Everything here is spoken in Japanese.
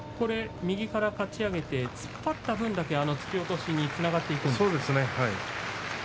右からかち上げて突っ張った分だけ突き落としにつながっていくんですね。